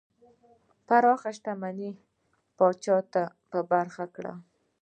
پراخه شتمنۍ پاچا ته په برخه کړه.